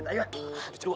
aduh apaan sih lu